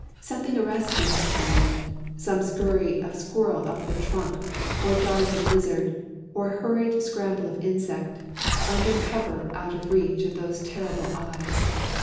Something arresting has happened some skurry of squirrel up the trunk, or dart of lizard, or hurried scramble of insect, under cover out of reach of those terrible eyes.